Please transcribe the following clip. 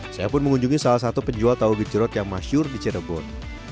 saya pun mengunjungi salah satu penjual tahu gejrot yang masyur di cirebon